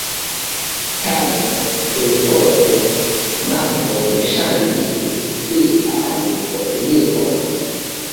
Tamen, tuj poste Mahmud ŝanĝis sian opinion.